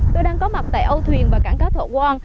tôi đang có mặt tại âu thuyền và cảng cá thọ quang